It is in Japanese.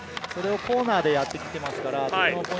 それをコーナーでやってきています。